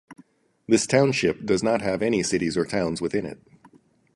This township does not have any cities or towns within it.